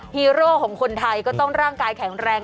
ฮีโร่ของคนไทยก็ต้องร่างกายแข็งแรง